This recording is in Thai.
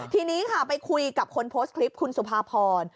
ทีนี้ค่ะไปคุยกับคนโพสต์คลิปคุณสุภาพร